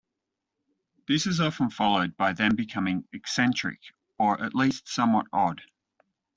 This is often followed by them becoming eccentric or at least somewhat odd.